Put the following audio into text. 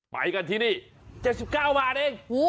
ไปกันที่นี่๗๙บาทเอง